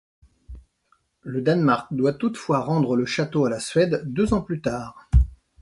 Le Danemark doit toutefois rendre le château à la Suède deux ans plus tard.